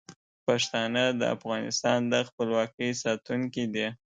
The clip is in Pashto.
پښتانه د افغانستان د خپلواکۍ ساتونکي دي.